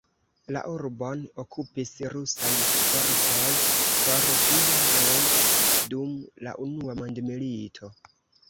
La urbon okupis rusaj fortoj por du jaroj dum la unua mondmilito.